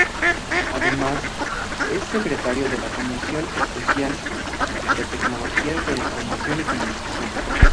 Además es Secretario de la Comisión Especial de Tecnologías de las Información y Comunicación.